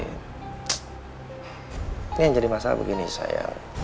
ini yang jadi masalah begini saya